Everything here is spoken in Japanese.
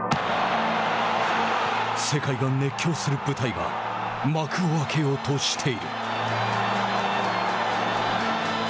世界が熱狂する舞台が幕を開けようとしている。